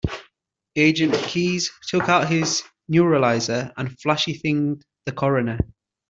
Agent Keys took out his neuralizer and flashy-thinged the coroner.